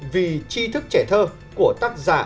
vì tri thức trẻ thơ của tác giả